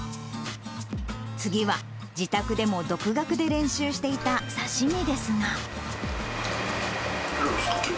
次は、自宅でも独学で練習していた刺身ですが。